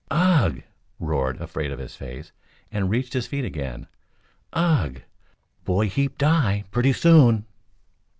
"Ugh!" roared Afraid Of His Face, and reached his feet again. "Ugh! Boy heap die! Plenty soon!"